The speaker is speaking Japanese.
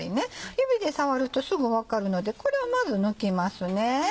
指で触るとすぐ分かるのでこれをまず抜きますね。